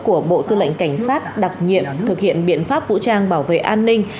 của bộ tư lệnh cảnh sát đặc nhiệm thực hiện biện pháp vũ trang bảo vệ an ninh